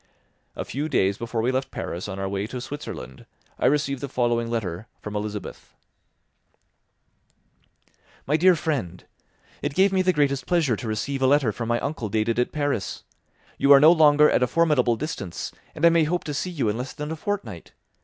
A few days before we left Paris on our way to Switzerland, I received the following letter from Elizabeth: "My dear Friend, "It gave me the greatest pleasure to receive a letter from my uncle dated at Paris; you are no longer at a formidable distance, and I may hope to see you in less than a fortnight.